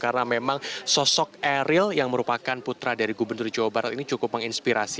karena memang sosok emeril yang merupakan putra dari gubernur jawa barat ini cukup menginspirasi